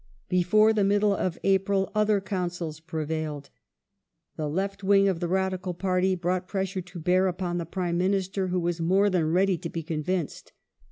Before the middle of April other counsels prevailed. The left wing of the Radical party brought pressure to bear upon the Prime Minister, who was more than ready to be convinced.